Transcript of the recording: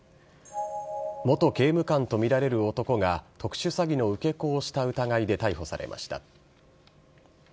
元刑務官と見られる男が、特殊詐欺の受け子をした疑いで逮捕されました。